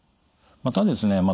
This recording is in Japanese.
またですね